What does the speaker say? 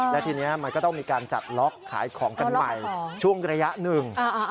และทีนี้มันก็ต้องมีการจัดล็อกขายของกันใหม่ช่วงระยะหนึ่ง